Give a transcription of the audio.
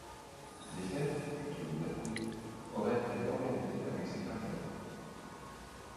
Des fêtes, plutôt libertines, auraient été organisées avec ces femmes galantes.